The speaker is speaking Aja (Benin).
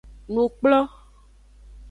Nukplo.